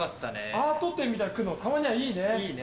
アート展みたいなの来るのたまにはいいね。